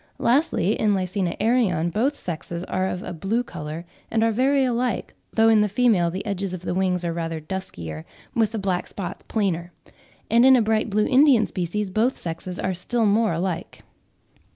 Lastly, in L. arion both sexes are of a blue colour and are very like, though in the female the edges of the wings are rather duskier, with the black spots plainer; and in a bright blue Indian species both sexes are still more alike.